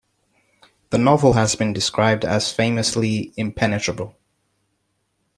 The novel has been described as "famously impenetrable".